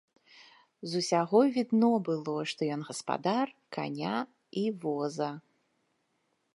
З усяго відно было, што ён гаспадар каня і воза.